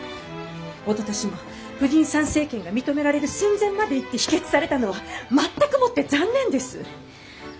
おととしも婦人参政権が認められる寸前までいって否決されたのは全くもって残念です！